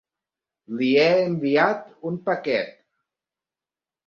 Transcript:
Li he enviat un paquet.